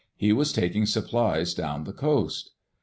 He was taking supplies down the coast.